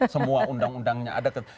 semua undang undangnya ada